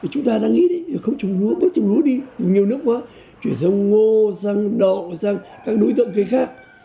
chúng ta đang nghĩ đấy không trồng lúa tốt trồng lúa đi nhiều nước quá chuyển sang ngô sang đậu sang các đối tượng cây khác